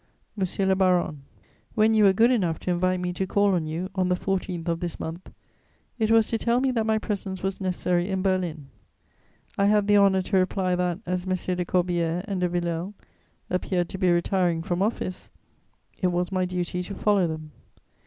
"MONSIEUR LE BARON, "When you were good enough to invite me to call on you, on the 14th of this month, it was to tell me that my presence was necessary in Berlin. I had the honour to reply that, as Messieurs de Corbière and de Villèle appeared to be retiring from office, it was my duty to follow them.